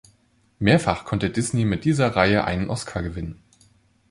Mehrfach konnte Disney mit dieser Reihe einen Oscar gewinnen.